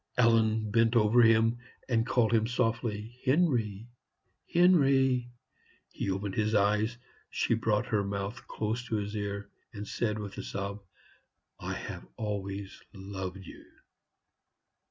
Ellen bent, over him, and called him softly, "Henry, Henry!" He opened his eyes. She brought her mouth close to his ear, and said, with a sob, "I have always loved you."